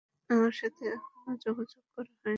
আমার সাথে এখনও যোগাযোগ করা হয়নি।